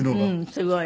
すごい。